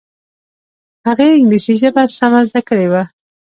هغې انګلیسي ژبه سمه زده کړې وه